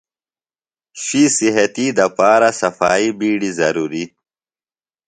شُوئی صحتی دپارہ صفائی بِیڈیۡ ضروریۡ۔